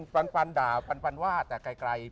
ปันปันด่าปันปันว่าแต่ใกล้